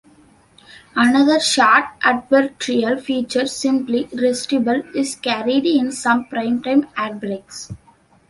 Another short advertorial feature, "Simply Irresistible" is carried in some primetime ad breaks.